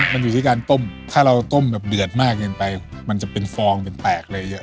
มันอยู่ที่การต้มถ้าเราต้มแบบเดือดมากเกินไปมันจะเป็นฟองเป็นแตกเลยเยอะ